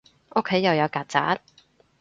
屋企又有曱甴